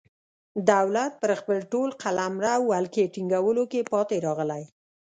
دولت پر خپل ټول قلمرو ولکې ټینګولو کې پاتې راغلی.